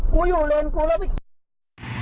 กูอยู่เลนกูแล้วไปขี่